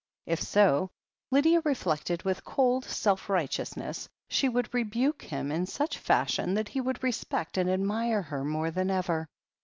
If so, Lydia reflected with cold self righte ousness, she would rebuke him in such fashion that he would respect and admire her more than ever.